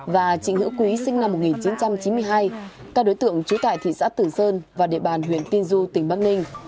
và trịnh hữu quý sinh năm một nghìn chín trăm chín mươi hai các đối tượng trú tại thị xã tử sơn và địa bàn huyện tiên du tỉnh bắc ninh